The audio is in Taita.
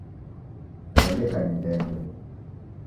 Redeka ni ndembe